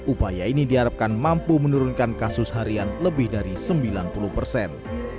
upaya ini diharapkan mampu menurunkan kasus harian lebih dari sembilan puluh persen